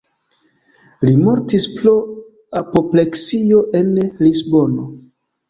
Li mortis pro apopleksio en Lisbono.